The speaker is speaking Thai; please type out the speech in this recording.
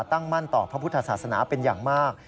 ตั้งมั่นต่อพระพุทธศาสนาเป็นอย่างมาก